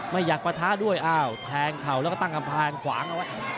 ไม่อยากมาท้าด้วยอ้าวแทงเข่าแล้วก็ตั้งกำพังขวาง